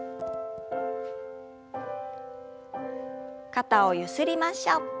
肩をゆすりましょう。